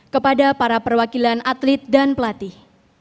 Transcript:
kepada para perwakilan atlet dan pelatih